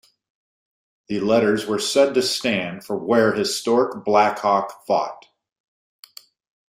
The letters were said to stand for Where Historic Blackhawk Fought.